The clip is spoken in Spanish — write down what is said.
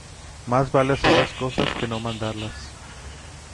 Más vale hacer las cosas que no mandarlas.